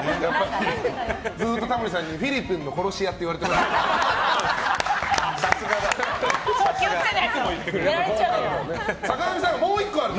ずっとタモリさんにフィリピンの殺し屋っていつも言ってくる。